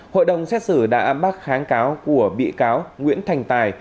hội đồng xét xử đã bác kháng cáo của bị cáo nguyễn thành tài